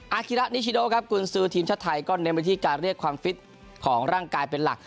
คิระนิชิโนครับกุญซือทีมชาติไทยก็เน้นไปที่การเรียกความฟิตของร่างกายเป็นหลัก